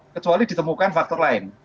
kecuali ditemukan faktor lain